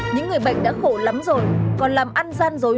những người bệnh đã khổ lắm rồi còn làm ăn tiền khấu hao quá tàn ác